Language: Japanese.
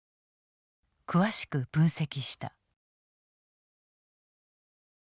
詳しく分析した。